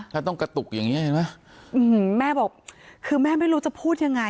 ถ้าต้องกระตุกอย่างเงี้เห็นไหมแม่บอกคือแม่ไม่รู้จะพูดยังไง